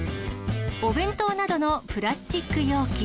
お弁当などのプラスチック容器。